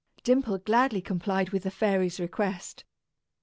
Dimple gladly complied with the fairy's request.